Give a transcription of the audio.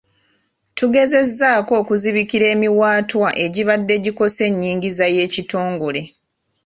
Tugezezzaako okuzibikira emiwaatwa egibadde gikosa ennyingiza y’ekitongole.